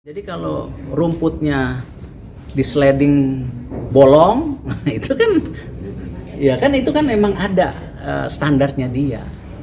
jadi kalau rumputnya di sledding bolong itu kan memang ada standarnya dia